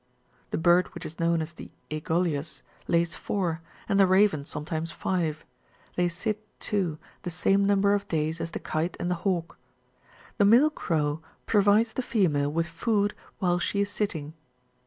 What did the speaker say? The bird which is known as the " aegolios,"^* lays four, and the raven sometimes five ; they sit, too, the same number of days as tjtie kite and the hawk. The male crow provides the female with food while she is sitting.